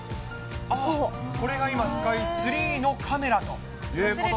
これが今、スカイツリーのカメラということで。